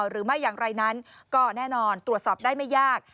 หรือไม่อย่างไรนั้นก็แน่นอนตรวจสอบได้ไม่ยาก